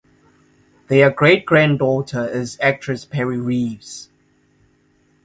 Their great-granddaughter is actress Perrey Reeves.